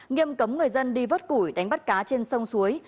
nghiêm cấm người dân đi vớt củi đánh bắt cá trên sông suối